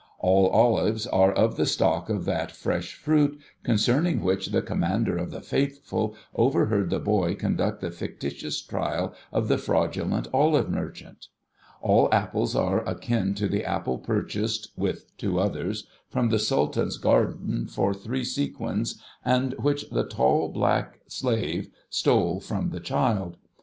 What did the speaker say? All olives are of 8 A CHRISTMAS TREE the stock of that fresh fruit, concerning which the Commander of the Faithful overheard the hoy conduct the fictitious trial of the fraudulent olive merchant; all apples are akin to the apple purchased (with two others) from tlie Sultan's gardener for three sequins, and which the tall black slave stole from the child.